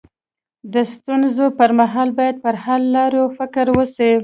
د ستونزي پر مهال باید پر حل لارو يې فکر وسي.